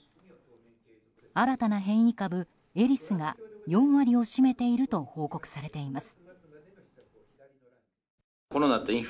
新たな変異株エリスが４割を占めていると報告されています。